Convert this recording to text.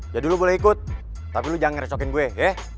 jadi lu boleh ikut tapi lu jangan resokin gue ye